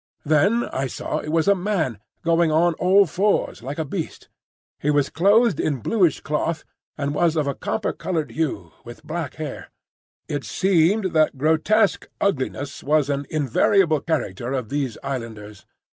Then I saw it was a man, going on all fours like a beast. He was clothed in bluish cloth, and was of a copper coloured hue, with black hair. It seemed that grotesque ugliness was an invariable character of these islanders.